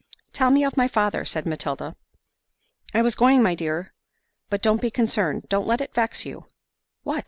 "But tell me of my father," said Matilda. "I was going, my dear—but don't be concerned—don't let it vex you." "What?